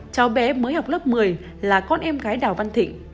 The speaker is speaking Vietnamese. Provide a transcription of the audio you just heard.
cháu bé mới học lớp một mươi là con em gái đào văn thịnh